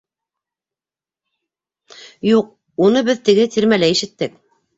— Юҡ, уны беҙ теге тирмәлә ишеттек.